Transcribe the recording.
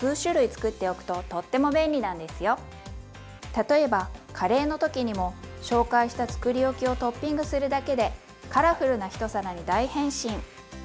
例えばカレーの時にも紹介したつくりおきをトッピングするだけでカラフルな１皿に大変身！